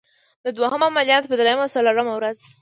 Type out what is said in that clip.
د دوهم عملیات په دریمه څلورمه ورځ.